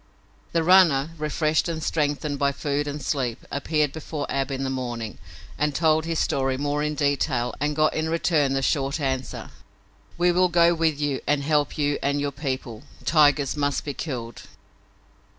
The runner, refreshed and strengthened by food and sleep, appeared before Ab in the morning and told his story more in detail and got in return the short answer: "We will go with you and help you and your people. Tigers must be killed!"